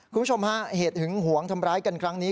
คุณผู้ชมฮะเหตุหึงหวงทำร้ายกันครั้งนี้